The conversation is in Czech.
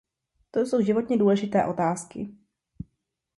To jsou životně důležité otázky.